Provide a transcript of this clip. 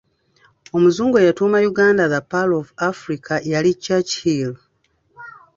Omuzungu eyatuuma Uganda ‘The Pearl of Africa’ yali ChurchHill.